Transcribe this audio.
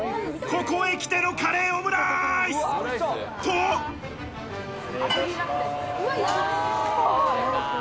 ここへきてのカレーオムライス！と。